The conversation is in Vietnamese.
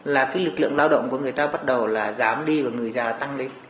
là cái lực lượng lao động của người ta bắt đầu là dám đi và người già tăng lên